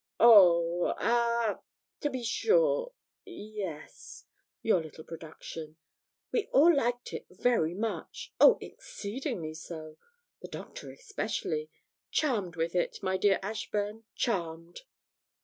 'Oh, ah, to be sure, yes, your little production. We all liked it very much oh, exceedingly so the Doctor especially charmed with it, my dear Ashburn, charmed!'